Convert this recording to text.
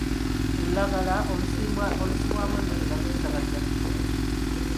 Olulagala olusibwamu emmere baluyita batya?